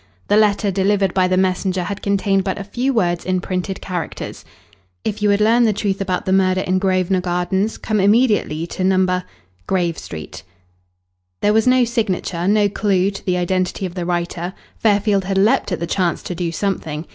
The letter delivered by the messenger had contained but a few words in printed characters. "If you would learn the truth about the murder in Grosvenor Gardens, come immediately to No. Grave Street." There was no signature, no clue to the identity of the writer. Fairfield had leapt at the chance to do something.